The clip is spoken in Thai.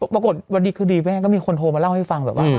ปรากฏวันดีคืนดีแม่ก็มีคนโทรมาเล่าให้ฟังแบบว่า